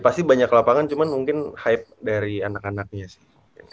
pasti banyak lapangan cuman mungkin hype dari anak anaknya sih